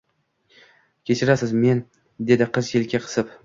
— Kechirasiz… men… — dedi qiz yelka qisib.